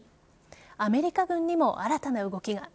アメリカ軍にも新たな動きが。